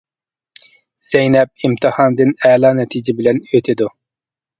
زەينەپ ئىمتىھاندىن ئەلا نەتىجە بىلەن ئۆتىدۇ.